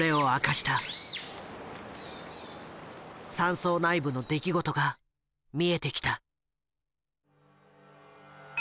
山荘内部の出来事が見えてきた。